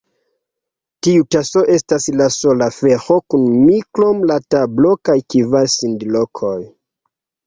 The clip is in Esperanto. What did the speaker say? Tiu taso estas la sola afero kun mi, krom la tablo kaj kvar sidlokoj.